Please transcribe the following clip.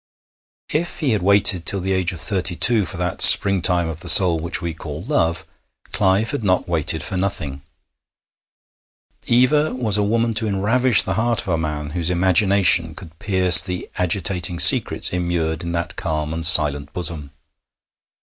If he had waited till the age of thirty two for that springtime of the soul which we call love, Clive had not waited for nothing. Eva was a woman to enravish the heart of a man whose imagination could pierce the agitating secrets immured in that calm and silent bosom.